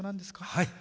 はい。